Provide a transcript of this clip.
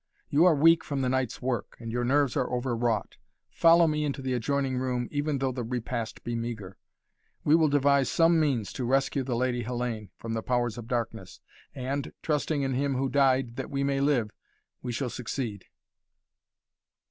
You are weak from the night's work and your nerves are overwrought. Follow me into the adjoining room even though the repast be meagre. We will devise some means to rescue the Lady Hellayne from the powers of darkness and, trusting in Him who died that we may live, we shall succeed."